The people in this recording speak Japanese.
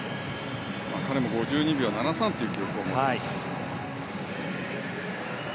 彼も５２秒７３という記録を持っています。